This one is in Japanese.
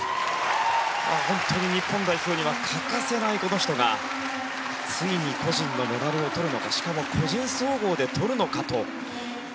本当に日本代表には欠かせないこの人がついに個人のメダルを取るのかしかも個人総合で取るのかと。